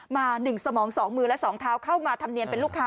มาหนึ่งสมองสองมือและสองเท้าเข้ามาทำเนียนเป็นลูกค้า